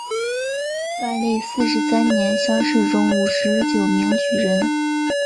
万历四十三年乡试中五十九名举人。